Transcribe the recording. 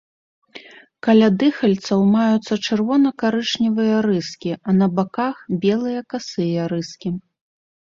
Каля дыхальцаў маюцца чырвона-карычневыя рыскі, а на баках белыя касыя рыскі.